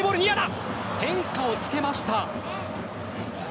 変化をつけました。